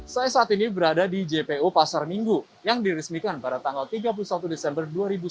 saya saat ini berada di jpo pasar minggu yang diresmikan pada tanggal tiga puluh satu desember dua ribu sembilan belas